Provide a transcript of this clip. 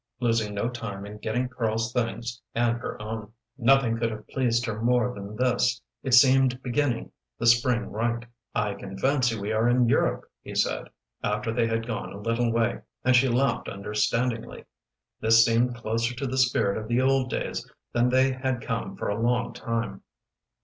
losing no time in getting Karl's things and her own. Nothing could have pleased her more than this. It seemed beginning the spring right. "I can fancy we are in Europe," he said, after they had gone a little way, and she laughed understandingly; this seemed closer to the spirit of the old days than they had come for a long time.